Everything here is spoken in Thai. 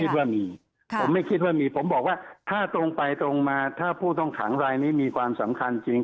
ว่ามีผมไม่คิดว่ามีผมบอกว่าถ้าตรงไปตรงมาถ้าผู้ต้องขังรายนี้มีความสำคัญจริง